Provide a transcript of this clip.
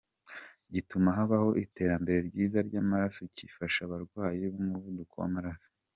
Gituma habaho itembera ryiza ry’amaraso kigafasha abarwayi b’umuvuduko w’amaraso.